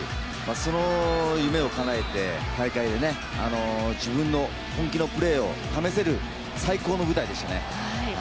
その夢をかなえて大会で自分の本気のプレーを試せる最高の舞台でしたね。